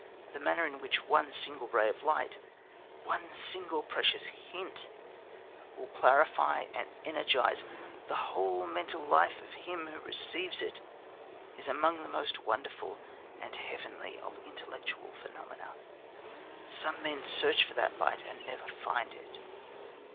The manner in which one single ray of light, one single precious hint, will clarify and energise the whole mental life of him who receives it, is among the most wonderful and heavenly of intellectual phenomena. Some men search for that light and never find it.